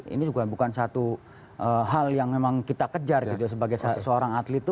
ini juga bukan satu hal yang memang kita kejar gitu sebagai seorang atlet itu